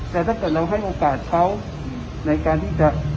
แต่ถ้าเกิดเราให้โอกาสเขาในการที่จะ